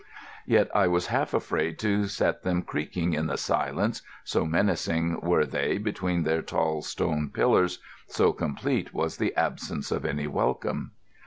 Yet I was half afraid to set them creaking in the silence, so menacing were they between their tall stone pillars, so complete was the absence of any welcome.